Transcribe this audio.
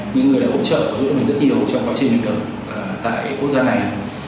những người đã hỗ trợ và hỗn mình rất nhiều trong quá trình hành động tại quốc gia này